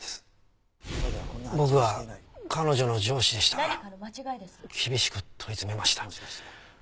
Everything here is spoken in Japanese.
僕は彼女の上司でしたから厳しく問い詰めました。